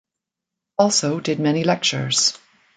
Also did many lectures.